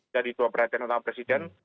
dua perhatian utama presiden